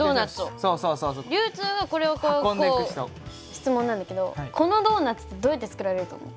質問なんだけどこのドーナツってどうやって作られると思う？